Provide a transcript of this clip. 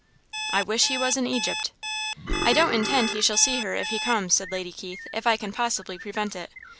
"I wish he was in Egypt!" "I don't intend he shall see her if he comes," said Lady Keith, "if I can possibly prevent it.